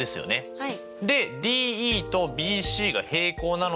はい。